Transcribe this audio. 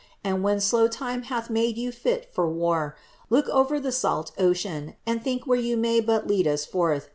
And when tlow Time hnlh made you fli foi Look over the ealt oceun. and think wLeie Ydu may but lead ub fcmh.